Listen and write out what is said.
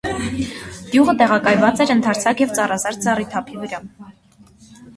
Գյուղը տեղակայված էր ընդարձակ և ծառազարդ զառիթափի վրա։